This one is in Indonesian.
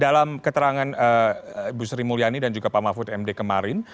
dalam keterangan ibu sri mulyani dan juga pak mahfud md kemarin